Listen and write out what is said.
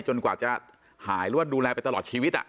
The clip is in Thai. จนกว่าจะหายรวดดูแลไปตลอดชีวิต